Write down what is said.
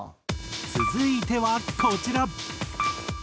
続いてはこちら。